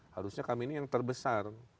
harusnya kami ini yang terbesar